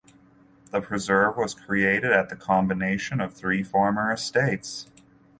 The preserve was created at the combination of three former estates.